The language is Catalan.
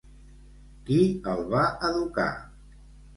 Qui el va educar?